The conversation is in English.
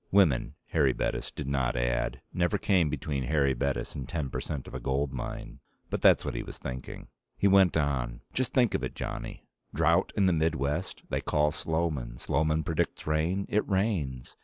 Women, Harry Bettis did not add, never came between Harry Bettis and ten percent of a gold mine. But that's what he was thinking. He went on: "Just think of it, Johnny. Drought in the Midwest. They call Sloman. Sloman predicts rain. It rains.